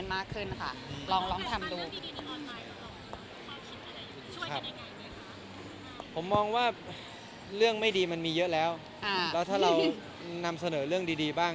แม่โบก็ปล่อยแล้วแต่คือเมื่อก่อนเคยมีถาม